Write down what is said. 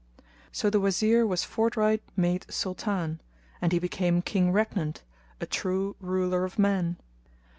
So the Wazir was forthright made Sultan, and he became King regnant, a true ruler of men.